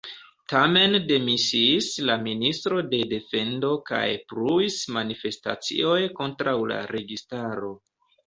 Tamen demisiis la Ministro de Defendo kaj pluis manifestacioj kontraŭ la registaro.